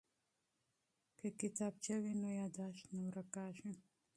که کتابچه وي نو یادښت نه ورکیږي.